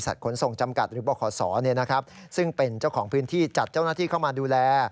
ซึ่งเป็นเจ้าของพื้นที่จัดเจ้าหน้าที่เข้ามาดูแล